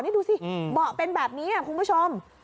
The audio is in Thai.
นี่ดูสิเบาะเป็นแบบนี้คุณผู้ชม